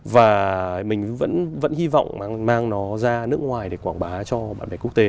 và mình vẫn hy vọng mang nó ra nước ngoài để quảng bá cho bạn bè quốc tế